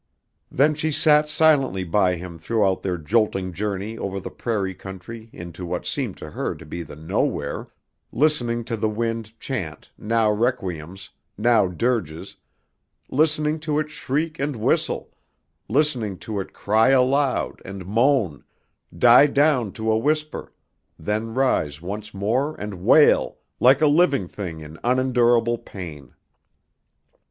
Then she sat silently by him throughout their jolting journey over the prairie country into what seemed to her to be the Nowhere, listening to the wind chant, now requiems, now dirges, listening to its shriek and whistle, listening to it cry aloud and moan, die down to a whisper, then rise once more and wail like a living thing in unendurable pain.